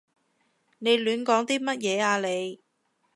你亂講啲乜嘢啊你？